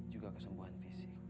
juga kesembuhan fisik